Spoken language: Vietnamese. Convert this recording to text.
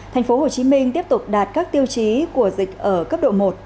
thành phố hồ chí minh tiếp tục đạt các tiêu chí của dịch ở cấp độ một